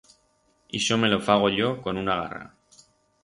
Ixo me lo fago yo con una garra.